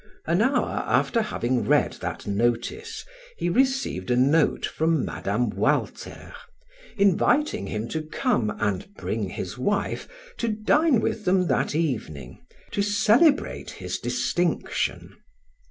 An hour after having read that notice, he received a note from Mme. Walter, inviting him to come and bring his wife to dine with them that evening, to celebrate his distinction.